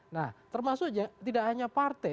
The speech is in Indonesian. nah termasuk tidak hanya partai